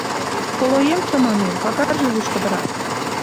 «Колоем чаманем, пагарже лушкыдырак.